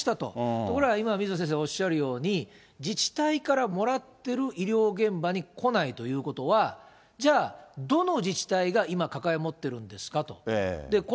ところが今、水野先生がおっしゃるように、自治体からもらってる医療現場に来ないということは、じゃあ、どの自治体が今、抱え持ってるんですかと。